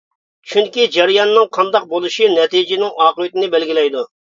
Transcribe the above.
چۈنكى، جەرياننىڭ قانداق بولۇشى نەتىجىنىڭ ئاقىۋىتىنى بەلگىلەيدۇ.